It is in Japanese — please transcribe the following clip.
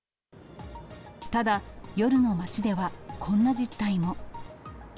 ただ、夜の街ではこんな実態も。